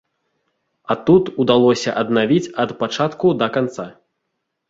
А тут удалося аднавіць ад пачатку да канца.